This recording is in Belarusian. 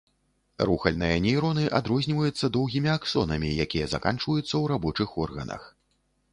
Рухальныя нейроны адрозніваюцца доўгімі аксонамі, якія заканчваюцца ў рабочых органах.